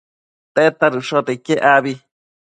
tedta dëshote iquec abi?